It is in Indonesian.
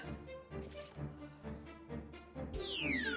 ibu ngapain sih